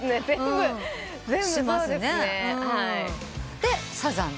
でサザンの。